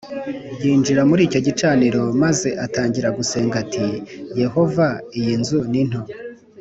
Yinjira muri icyo gicaniro maze atangira gusenga ati Yehova iyi nzu ni nto